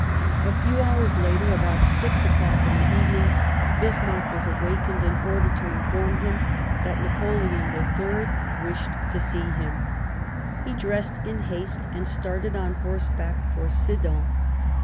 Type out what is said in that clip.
A few hours later, about six o'clock in the even ing, Bismarck was awakened in order to inform him that Napoleon III wished to see him. He dressed in haste and started on horseback for Sedan.